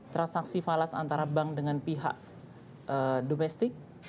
transaksi falas antara bank dengan pihak domestik